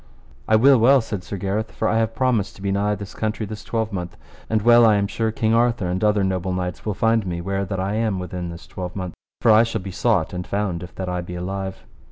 I will well, said Sir Gareth, for I have promised to be nigh this country this twelvemonth. And well I am sure King Arthur and other noble knights will find me where that I am within this twelvemonth. For I shall be sought and found, if that I be alive.